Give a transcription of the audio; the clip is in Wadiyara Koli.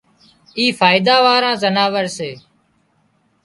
اي فائيڌا واۯان زناور سي